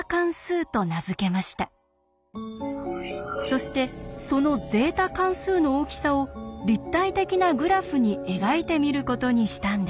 そしてそのゼータ関数の大きさを立体的なグラフに描いてみることにしたんです。